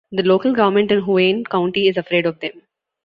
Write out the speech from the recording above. The local government in Huayin County is afraid of them.